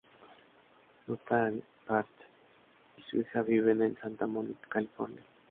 Nuttall, Peart y su hija viven en Santa Monica, California.